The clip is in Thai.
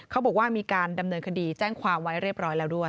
เขาบอกว่ามีการดำเนินคดีแจ้งความไว้เรียบร้อยแล้วด้วย